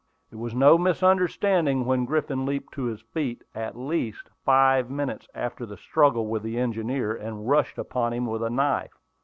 "It was no misunderstanding when Griffin leaped to his feet, at least five minutes after the struggle with the engineer, and rushed upon him with a knife.